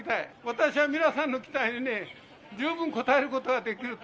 私は皆さんの期待に十分応えることができると。